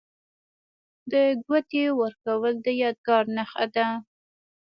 د ګوتې ورکول د یادګار نښه ده.